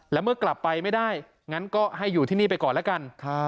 แล้วเมื่อกลับไปไม่ได้งั้นก็ให้อยู่ที่นี่ไปก่อนแล้วกัน